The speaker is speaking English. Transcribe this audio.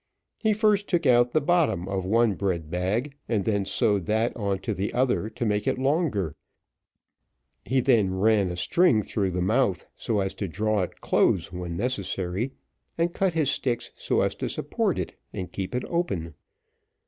He first took out the bottom of one bread bag, and then sewed that on the other to make it longer; he then ran a string through the mouth, so as to draw it close when necessary, and cut his sticks so as to support it and keep it open.